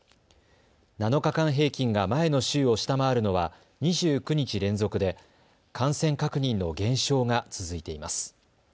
７日間平均が前の週を下回るのは２９日連続で感染確認の減少が続いています。